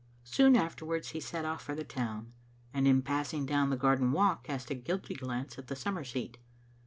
Soon afterwards he set off for the town, and in pass ing down the garden walk cast a guilty glance at the summer seat.